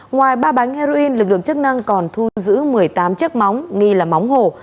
ngoài ba bánh heroin lực lượng chức năng còn thu giữ một mươi tám chiếc móng nghi là móng hổ